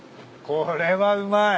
これはうまい。